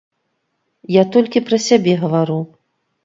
Я толькі пра сябе гавару.